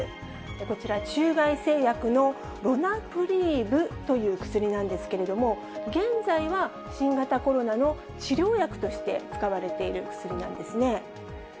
こちら、中外製薬のロナプリーブという薬なんですけれども、現在は新型コロナの治療薬として使われている薬なんですね。